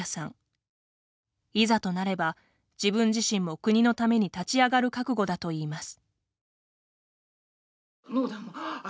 いざとなれば、自分自身も国のために立ち上がる覚悟だといいます。